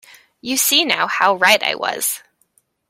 You see now how right I was.